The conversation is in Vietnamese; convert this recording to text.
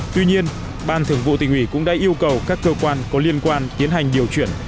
tuy nhiên ban thường vụ tỉnh ủy cũng đã yêu cầu các cơ quan có liên quan tiến hành điều chuyển